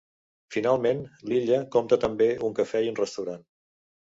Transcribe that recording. Finalment, l'illa compta també un cafè i un restaurant.